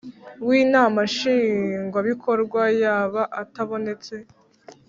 w Inama Nshingwabikorwa yaba atabonetse